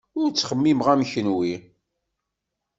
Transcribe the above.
Ur ttxemmimeɣ am kunwi.